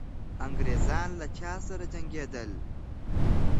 انګریزان له چا سره جنګېدل؟